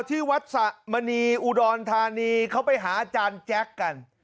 ที่วัดสะมณีอุดรธานีเขาไปหาอาจารย์แจ๊คกัน